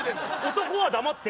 男は黙って。